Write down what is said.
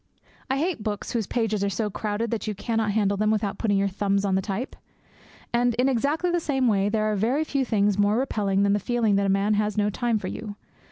I hate books whose pages are so crowded that you cannot handle them without putting your thumbs on the type. And, in exactly the same way, there are very few things more repelling than the feeling that a man has no time for you.